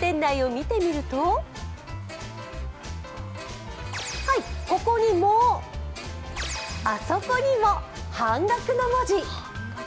店内を見てみると、ここにも、あそこにも、半額の文字。